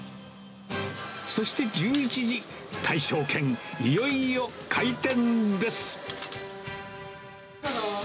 そして１１時、大勝軒、いよいよどうぞ。